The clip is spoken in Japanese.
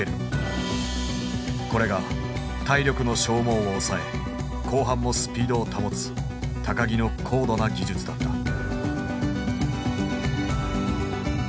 これが体力の消耗を抑え後半もスピードを保つ木の高度な技術だった。